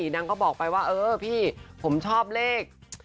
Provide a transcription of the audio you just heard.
นางก็บอกไปว่าเออพี่ผมชอบเลข